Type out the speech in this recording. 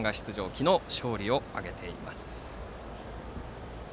昨日、勝利を挙げています。